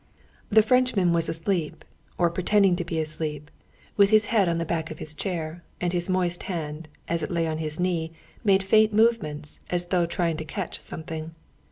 The Frenchman was asleep, or pretending to be asleep, with his head on the back of his chair, and his moist hand, as it lay on his knee, made faint movements, as though trying to catch something.